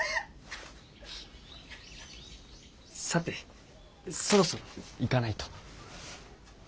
さてそろそろ行かないと。